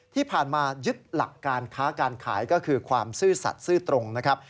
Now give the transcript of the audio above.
ที่ผ่านมายึดหลักการค้าการขายก็คือความซื่อสัตว์ซื่อตรงนะครับ